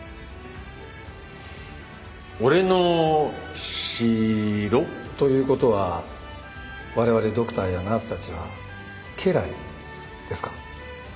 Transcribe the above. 俺の城？という事は我々ドクターやナースたちは家来ですか？